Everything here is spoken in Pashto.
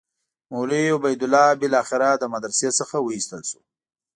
مولوي عبیدالله بالاخره له مدرسې څخه وایستل شو.